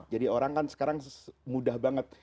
jadi orang kan sekarang mudah banget